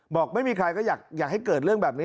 บอกไม่มีใครก็อยากให้เกิดเรื่องแบบนี้